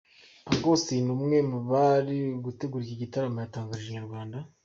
Uncle Austin umwe mu bari gutegura iki gitaramo yatangarije Inyarwanda.